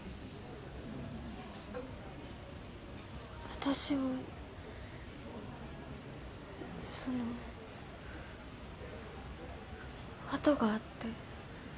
私はその痕があって。